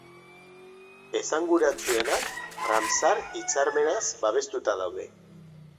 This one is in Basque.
Esanguratsuenak Ramsar hitzarmenaz babestuta daude.